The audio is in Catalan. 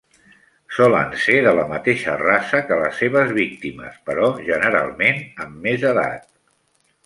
Solen ser de la mateixa raça que les seves víctimes, però generalment amb més edat.